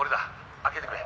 開けてくれ」